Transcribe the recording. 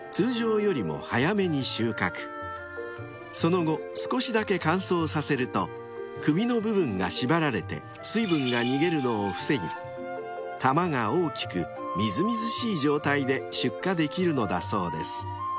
［その後少しだけ乾燥させると首の部分が縛られて水分が逃げるのを防ぎ玉が大きくみずみずしい状態で出荷できるのだそうです］